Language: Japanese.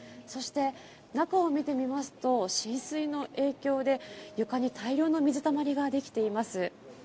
そして中を見てみますと浸水の影響で床に大量の水たまりができています。